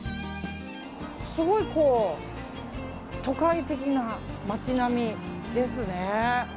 すごい、都会的な街並みですね。